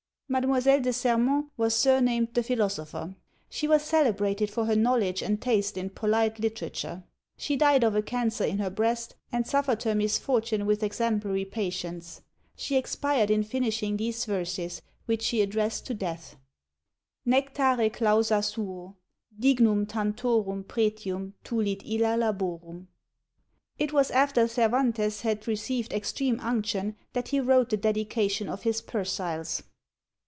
Mademoiselle de Serment was surnamed the philosopher. She was celebrated for her knowledge and taste in polite literature. She died of a cancer in her breast, and suffered her misfortune with exemplary patience. She expired in finishing these verses, which she addressed to Death: Nectare clausa suo, Dignum tantorum pretium tulit illa laborum. It was after Cervantes had received extreme unction that he wrote the dedication of his Persiles.